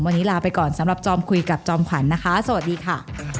วันนี้ลาไปก่อนสำหรับจอมคุยกับจอมขวัญนะคะสวัสดีค่ะ